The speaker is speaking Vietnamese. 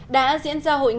đã diễn ra hội nghị quan trọng